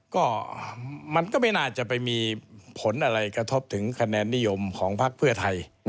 ก็มันก็ไม่น่าจะไปมีผลอะไรกระทบถึงคะแนนนิยมของพักเพื่อไทย